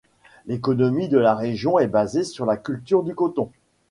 L'économie de la région est basée sur la culture du coton.